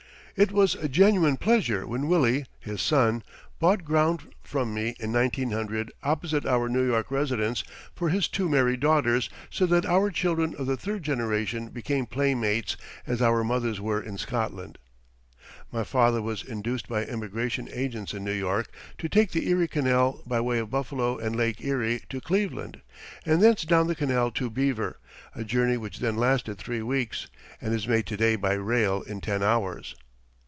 It was a genuine pleasure when Willie, his son, bought ground from me in 1900 opposite our New York residence for his two married daughters so that our children of the third generation became playmates as our mothers were in Scotland. My father was induced by emigration agents in New York to take the Erie Canal by way of Buffalo and Lake Erie to Cleveland, and thence down the canal to Beaver a journey which then lasted three weeks, and is made to day by rail in ten hours.